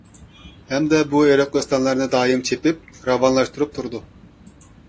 ھەمدە بۇ ئېرىق-ئۆستەڭلەرنى دائىم چېپىپ راۋانلاشتۇرۇپ تۇرىدۇ.